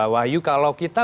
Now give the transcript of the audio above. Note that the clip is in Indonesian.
wahyu kalau kita